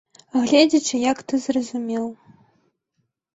Гледзячы як ты зразумеў.